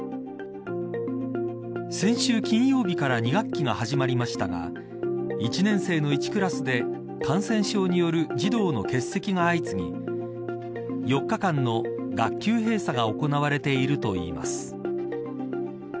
先週金曜日から２学期が始まりましたが１年生の１クラスで感染症による児童の欠席が相次ぎ４日間の学級閉鎖が行われているといいます。